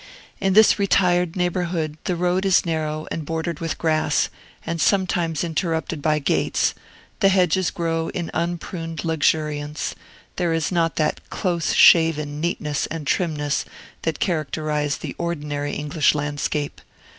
In this retired neighborhood the road is narrow and bordered with grass, and sometimes interrupted by gates; the hedges grow in unpruned luxuriance; there is not that close shaven neatness and trimness that characterize the ordinary English landscape.